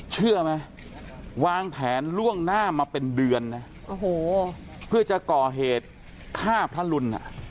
เชื่อไหมวางแผนล่วงหน้ามาเป็นเดือนนะโอ้โหเพื่อจะก่อเหตุฆ่าพระรุน